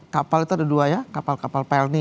kapal itu ada dua ya kapal kapal pelni